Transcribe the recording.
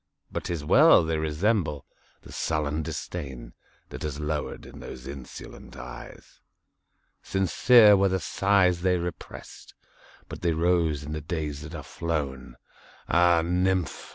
But 't is well!—they resemble the sullen disdainThat has lowered in those insolent eyes. Sincere were the sighs they represt, But they rose in the days that are flown! Ah, nymph!